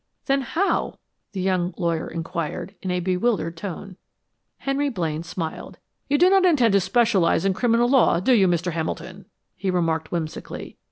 "Then how " the young lawyer inquired, in a bewildered tone. Henry Blaine smiled. "You do not intend to specialize in criminal law, do you, Mr. Hamilton?" he remarked whimsically.